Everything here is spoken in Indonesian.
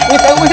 nggak usah hati